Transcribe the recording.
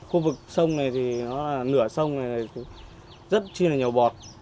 khu vực sông này thì nó là nửa sông này thì rất chi là nhiều bọt